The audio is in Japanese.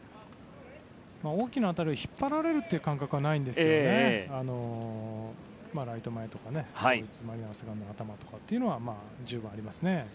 大きな当たりを引っ張られるという感覚はないんですがライト前とか詰まりながらとかっていうのは十分ありますね。